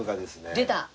出た！